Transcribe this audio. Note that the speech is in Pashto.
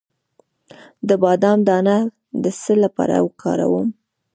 د بادام دانه د څه لپاره وکاروم؟